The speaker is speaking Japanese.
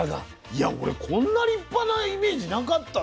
いや俺こんな立派なイメージなかった。